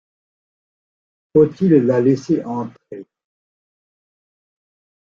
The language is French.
Faut-il la laisser entrer?